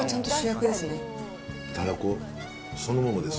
たらこそのままです。